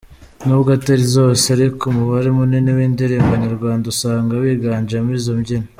Nubwo atari zose ariko umubare munini w’indirimbo nyarwanda usanga wiganjemo izi mbyino.